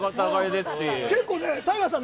ＴＡＩＧＡさん。